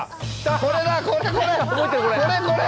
これだ、これこれ。